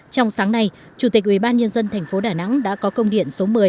trong sáng nay chủ tịch ubnd tp đà nẵng đã có công điện số một mươi